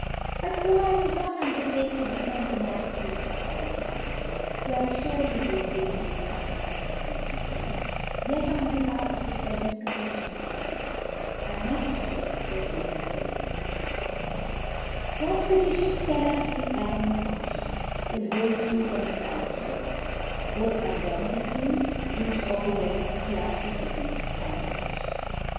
Bue though r will not undertake to de* fcAd thfe Magiftf atcs of former Times, who hbvfeTor^y been guiky of fome Negleft of iheR^Bd^^, yet, on behalf of the prefent^ CdHmiffibners of thie Peace, I muff oblcrve, thdf Cafe 19 very different. What Phyfidansl ttil us'Of the animal Fun£tions, wHl hold true>hen apt>Iied to Law^ : Both, by long^ Difufe, lofe all their ElafKcity and Force.